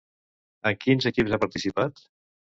Amb quins equips ha participat?